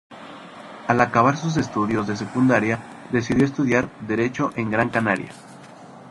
Al acabar sus estudios de secundaria, decidió estudiar Derecho en Gran Canaria.